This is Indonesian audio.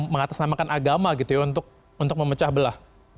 mengatasnamakan agama gitu ya untuk memecah belah